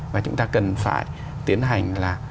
và chúng ta cần phải tiến hành là